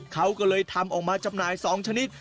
เขาก็เลยทำออกมาจำหน่าย๒ชนิด